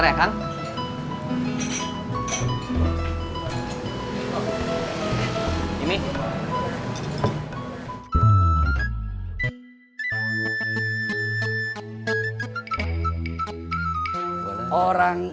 sebentar ya kang